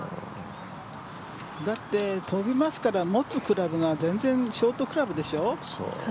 だって、飛びますから持つクラブが全然、ショートクラブでしょ？